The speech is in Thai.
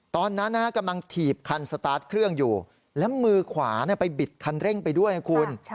ตอนนั้นกำลังถีบคันสตาร์ทเครื่องอยู่แล้วมือขวาไปบิดคันเร่งไปด้วยนะคุณ